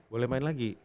boleh main lagi